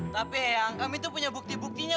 tapi yang kami tuh punya bukti buktinya